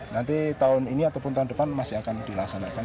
nanti tahun ini ataupun tahun depan masih akan dilaksanakan